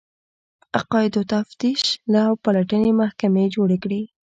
عقایدو تفتیش او پلټنې محکمې جوړې کړې